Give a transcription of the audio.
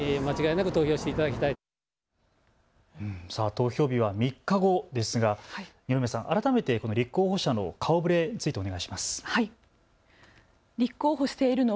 投票日は３日後ですが二宮さん、改めて立候補者の顔ぶれについてお願いします。